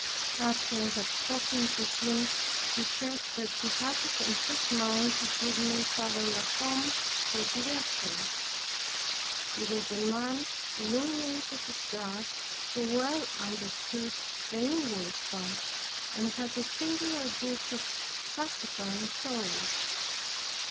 After I had spoken to him, he said that he had it in his mind to give me Father La Combe for director; he was a man illuminated of God, who well understood the inward path, and had a singular gift of pacifying souls.